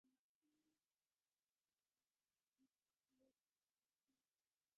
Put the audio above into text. অনেক বর্ষ ধরিয়া তো ঐরূপ চেষ্টা হইয়াছে, কিন্তু তাহাতে কোন সুফল হয় নাই।